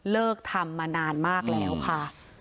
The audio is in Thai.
เลิกทำมานานมากแล้วค่ะ